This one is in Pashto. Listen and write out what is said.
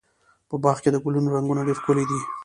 په باغ کې د ګلونو رنګونه ډېر ښکلي دي.